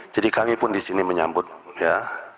jadi kami pun disini menyambut ya